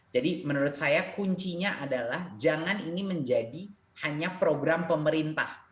jadi menurut saya kuncinya adalah jangan ini menjadi hanya program pemerintah